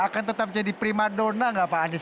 akan tetap jadi prima dona nggak pak anies